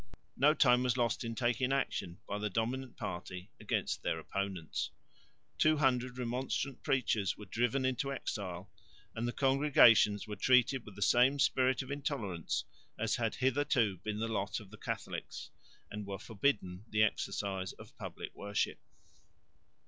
No time was lost in taking action by the dominant party against their opponents. Two hundred Remonstrant preachers were driven into exile; and the congregations were treated with the same spirit of intolerance as had hitherto been the lot of the Catholics, and were forbidden the exercise of public worship.